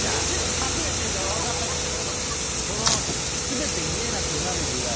隠れてるから分からんけど。